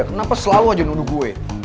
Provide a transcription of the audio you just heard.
kenapa selalu aja nuduh gue